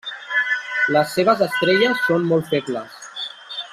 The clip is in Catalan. Les seves estrelles són molt febles.